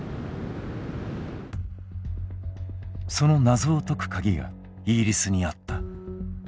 その謎を解く鍵がイギリスにあった。